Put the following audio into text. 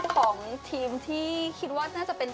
ของทีมที่คิดว่าน่าจะเป็น